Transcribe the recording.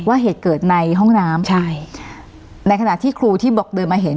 เหตุเกิดในห้องน้ำใช่ในขณะที่ครูที่บอกเดินมาเห็น